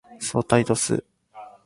相対度数